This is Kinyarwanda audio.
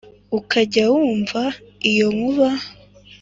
ukajya wumva iyo nkuba